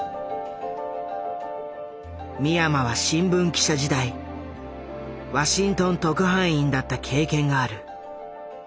三山は新聞記者時代ワシントン特派員だった経験がある。